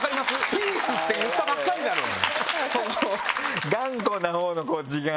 「ピース」って言ったばっかりなのに。